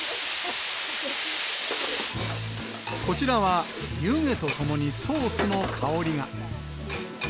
こちらは、湯気と共にソースの香りが。